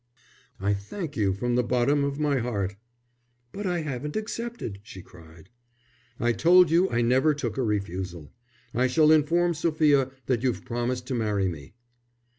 "I thank you from the bottom of my heart." "But I haven't accepted," she cried. "I told you I never took a refusal; I shall inform Sophia that you've promised to marry me."